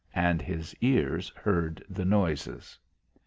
And his ears heard the noises.